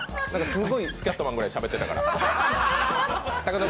すごいスキャットマンぐらいしゃべってたから。